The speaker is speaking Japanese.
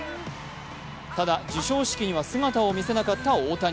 ただ、授賞式には姿を見せなかった大谷。